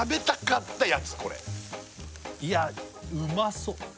いやうまそっ